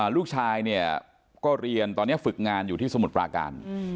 ลูกชายเนี่ยก็เรียนตอนนี้ฝึกงานอยู่ที่สมุทรปราการ